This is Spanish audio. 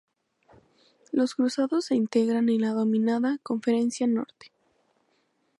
Los Cruzados se integran en la denominada "Conferencia Norte".